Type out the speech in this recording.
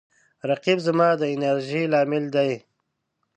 رقیب زما د انرژۍ لامل دی